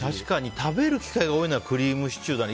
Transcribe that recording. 食べる機会が多いのはクリームシチューだけど。